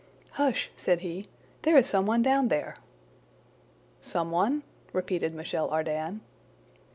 "Hush!" said he, "there is some one down there!" "Some one?" repeated Michel Ardan.